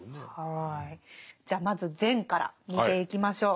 じゃあまず善から見ていきましょう。